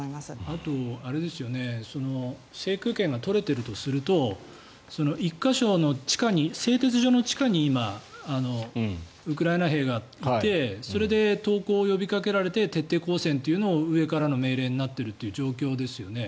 あと制空権が取れているとすると製鉄所の地下に今、ウクライナ兵がいてそれで投降を呼びかけられて徹底抗戦というのを上からの命令になっているという状況ですよね。